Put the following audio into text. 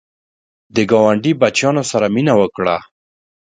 د ګاونډي بچیانو سره مینه وکړه